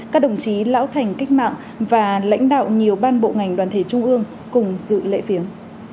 các đồng chí lão thành cách mạng và lãnh đạo nhiều ban bộ ngành đoàn thể trung ương cùng dự lễ viếng